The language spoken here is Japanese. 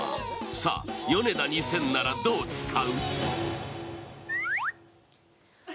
さあ、ヨネダ２０００なら、どう使う？